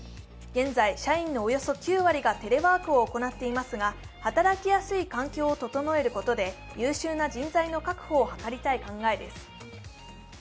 現在、社員のおよそ９割がテレワークを行っていますが働きやすい環境を整えることで優秀な人材の確保を図りたい考えです。